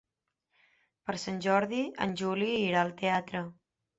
Per Sant Jordi en Juli irà al teatre.